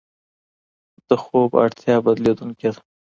د خوب اړتیا بدلېدونکې ده.